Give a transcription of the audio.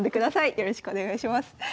よろしくお願いします。